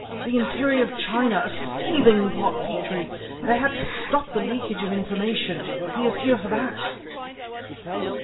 The interior of China a seething pot, Petrie! They had to stop the leakage of information. He is here for that."